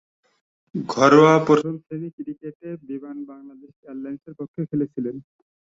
ঘরোয়া প্রথম-শ্রেণীর ক্রিকেটে বিমান বাংলাদেশ এয়ারলাইন্সের পক্ষে খেলেছেন।